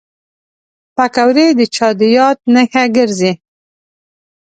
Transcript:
پکورې د چا د یاد نښه ګرځي